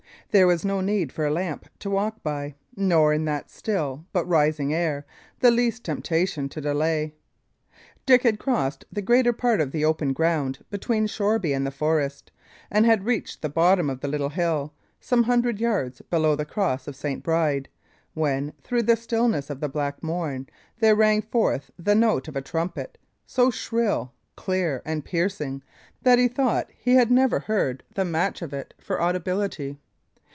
There was no need for a lamp to walk by; nor, in that still but ringing air, the least temptation to delay. Dick had crossed the greater part of the open ground between Shoreby and the forest, and had reached the bottom of the little hill, some hundred yards below the Cross of St. Bride, when, through the stillness of the black morn, there rang forth the note of a trumpet, so shrill, clear, and piercing, that he thought he had never heard the match of it for audibility.